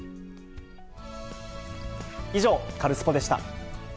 以上、カルスポっ！でした。